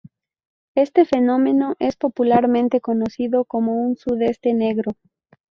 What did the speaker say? Este fenómeno es popularmente conocido como un sudeste negro.